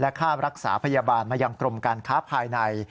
ค่ารักษาพยาบาลมายังกรมการค้าภายใน